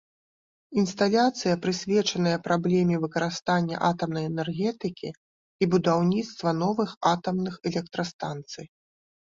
Інсталяцыя прысвечаная праблеме выкарыстання атамнай энергетыкі і будаўніцтва новых атамных электрастанцый.